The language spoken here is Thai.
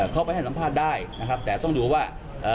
เค้าไปให้สำภาษฐ์ได้แต่ต้องดูว่า